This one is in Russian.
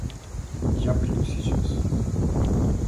Я приду сейчас.